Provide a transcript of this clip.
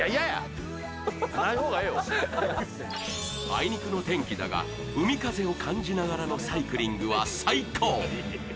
あいにくの天気だか、海風を感じながらのサイクリングは最高。